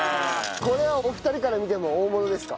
これはお二人から見ても大物ですか？